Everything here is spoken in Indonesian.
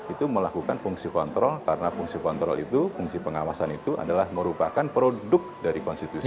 itu melakukan fungsi kontrol karena fungsi kontrol itu fungsi pengawasan itu adalah merupakan produk dari konstitusi